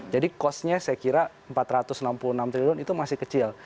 jadi costnya saya kira empat ratus enam puluh enam triliun itu masih kecil